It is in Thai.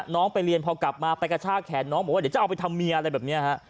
น้องไปเรียนพอกลับมาไปกระชากแขนน้องบอกว่าเดี๋ยวจะเอาไปทำเมียอะไรแบบนี้ฮะ